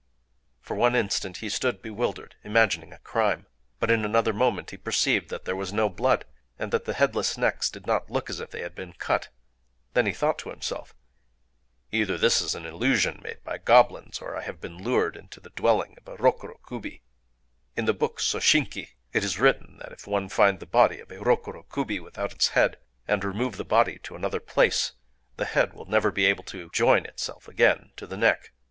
For one instant he stood bewildered,—imagining a crime. But in another moment he perceived that there was no blood, and that the headless necks did not look as if they had been cut. Then he thought to himself:—"Either this is an illusion made by goblins, or I have been lured into the dwelling of a Rokuro Kubi... (4) In the book Sōshinki (5) it is written that if one find the body of a Rokuro Kubi without its head, and remove the body to another place, the head will never be able to join itself again to the neck.